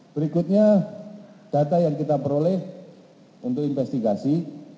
berikutnya data yang kita peroleh untuk investigasi